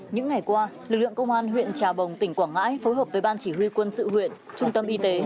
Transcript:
những ngày qua lực lượng công an huyện trà bồng tỉnh quảng ngãi phối hợp với ban chỉ huy quân sự huyện trung tâm y tế